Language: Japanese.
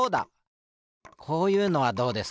こういうのはどうですか？